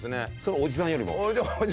おじさんよりも僕が上。